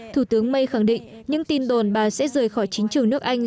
thủ tướng may khẳng định những tin đồn bà sẽ rời khỏi chính trường nước anh